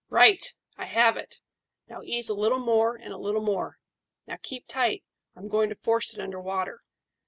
Right! I have it; now ease a little more and a little more. Now keep tight; I'm going to force it under water."